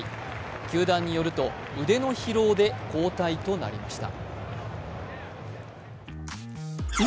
球団によると、腕の疲労で交代となりました。